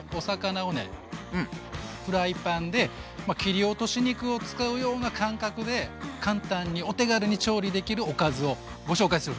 フライパンで切り落とし肉を使うような感覚で簡単にお手軽に調理できるおかずをご紹介する。